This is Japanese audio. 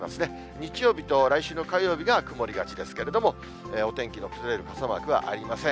日曜日と来週の火曜日が曇りがちですけれども、お天気の崩れる傘マークはありません。